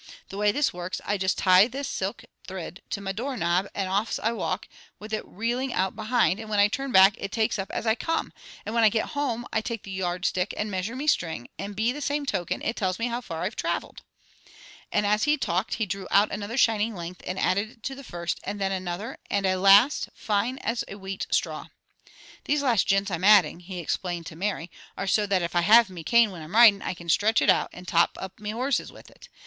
The way this works, I just tie this silk thrid to me door knob and off I walks, it a reeling out behind, and whin I turn back it takes up as I come, and whin I get home I take the yardstick and measure me string, and be the same token, it tells me how far I've traveled." As he talked he drew out another shining length and added it to the first, and then another and a last, fine as a wheat straw. "These last jints I'm adding," he explained to Mary, "are so that if I have me cane whin I'm riding I can stritch it out and touch up me horses with it.